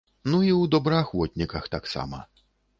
Ну, і ў добраахвотніках таксама.